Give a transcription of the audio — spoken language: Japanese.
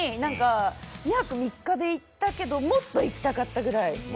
２泊３日で行ったけど、もっと行きたかったくらい。